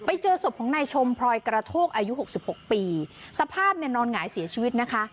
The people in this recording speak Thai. ไปเจอศพของนายชมพลอยกระโทกอายุหกสิบหกปีสภาพเนี่ยนอนหงายเสียชีวิตนะคะ